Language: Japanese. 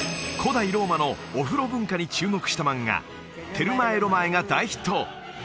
古代ローマのお風呂文化に注目した漫画「テルマエ・ロマエ」が大ヒット